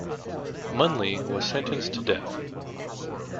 Munley was sentenced to death.